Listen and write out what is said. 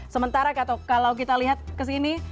sementara kalau kita lihat kesini